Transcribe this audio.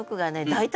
大体